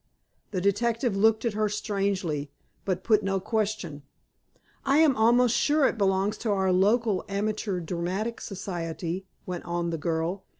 The detective looked at her strangely, but put no question. "I am almost sure it belongs to our local Amateur Dramatic Society," went on the girl.